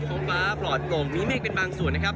ฟ้าปลอดโปร่งมีเมฆเป็นบางส่วนนะครับ